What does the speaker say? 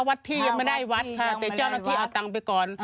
วัดที่ยังไม่ได้วัดค่ะแต่เจ้าหน้าที่เอาตังค์ไปก่อน